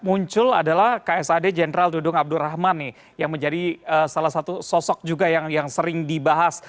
yang juga muncul adalah ksad jenderal dudung abdul rahman nih yang menjadi salah satu sosok juga yang sering dibahas